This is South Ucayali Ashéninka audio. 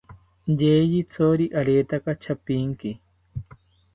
Yeyithori aretaka chapinki